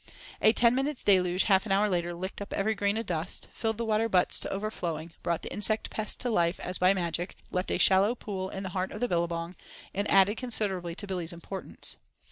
A ten minutes' deluge half an hour later licked up every grain of dust, filled the water butts to overflowing, brought the insect pest to life as by magic, left a shallow pool in the heart of the billabong, and added considerably to Billy's importance.